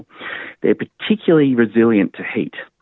mereka sangat berresilien untuk menghidupkan